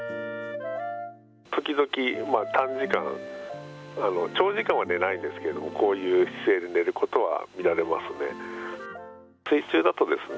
時々、短時間、長時間は寝ないんですけれども、こういう姿勢で寝ることは見られますね。